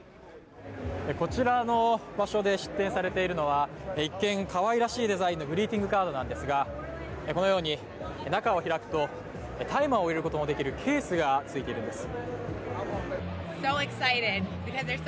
こちらの場所で出展されているのは一見かわいらしいデザインのグリーティングカードなんですがこのように中を開くと、大麻を植えることもできるケースがついているんです。